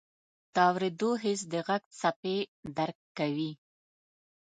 د اورېدو حس د غږ څپې درک کوي.